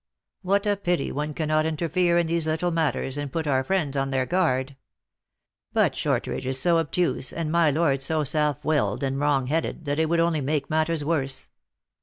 What a pity one cannot in terfere in these little matters, and put our friends on their guard ! But Shortridge is so obtuse, and my Lord so self willed and wrong headed, that it would only make matters worse.